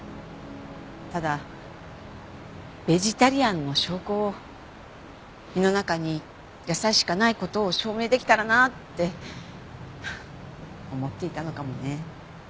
ただベジタリアンの証拠を胃の中に野菜しかない事を証明できたらなって思っていたのかもね。